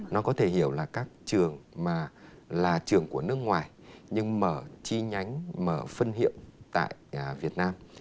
nó có thể hiểu là các trường mà là trường của nước ngoài nhưng mở chi nhánh mở phân hiệu tại việt nam